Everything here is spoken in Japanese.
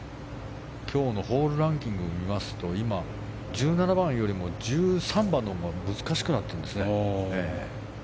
今日のホールランキングを見ますと今、１７番よりも１３番のほうが難しくなってるんですね。